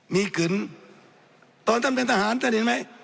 มีขึนตอนท่านเป็นทหารท่านเห็นไหม